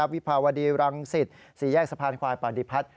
วิภาวดีรังสิตสี่แยกสะพานควายปฏิพัฒน์